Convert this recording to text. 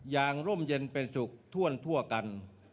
อย่างร่มเย็นเป็นศุกร์ถ้วนทั่วกัน